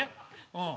うん。